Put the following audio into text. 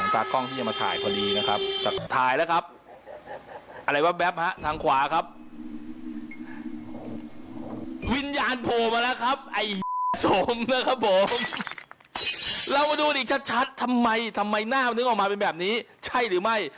ทำไมหน้าให้นึงออกมาเป็นแบบนี้ใช่หรือไม่